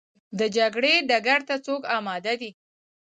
د جګړې ډګر ته څوک اماده دي؟